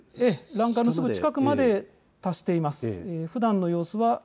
欄干のすぐ近くまで達しています。